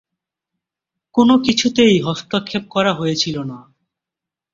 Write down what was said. কোনো কিছুতেই হস্তক্ষেপ করা হয়েছিল না।